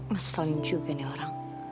masalah juga nih orang